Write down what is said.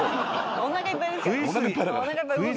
おなかいっぱい？